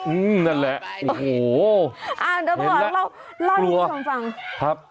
อื้อนั่นแหละโอ้โหเห็นแล้วกลัวครับ